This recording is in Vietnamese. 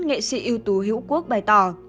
ưu tú hữu quốc bày tỏ